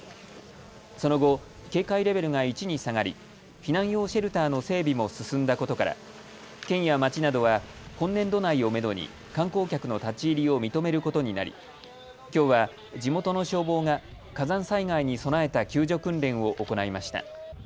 その後、警戒レベルが１に下がり避難用シェルターの整備も進んだことから県や町などは今年度内をめどに観光客の立ち入りを認めることになりきょうは地元の消防が火山災害に備えた救助訓練を行いました。